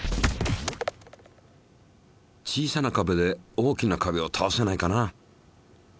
小さな壁で大きな壁をたおせないかな？